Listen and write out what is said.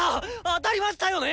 当たりましたよね